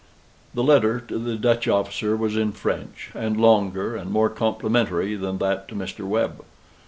The letter to the Dutch officer was in French, and longer and more complimentary than that to Mr. Webb.